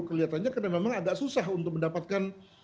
kelihatannya karena memang agak susah untuk mendapatkan